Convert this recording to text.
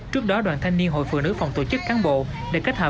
trước đó đoàn thanh niên hội phụ nữ phòng tổ chức cán bộ để kết hợp